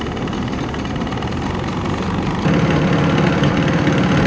และมันกลายเป้าหมายเป้าหมายเป็นส่วนสุดท้าย